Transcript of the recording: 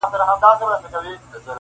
• په پردیو که پاللی بیرغ غواړم -